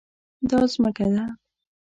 دا ځمکه ده